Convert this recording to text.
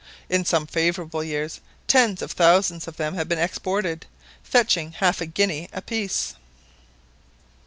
In some favourable years tens of thousands of them have been exported, fetching half a guinea a piece.